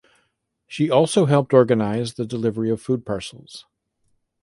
She also helped organise the delivery of food parcels.